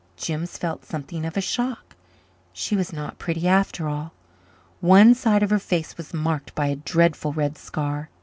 Jims felt something of a shock. She was not pretty after all. One side of her face was marked by a dreadful red scar.